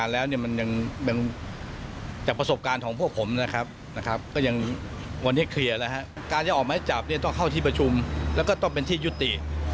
แล้วก็ต้องเป็นที่ยุติ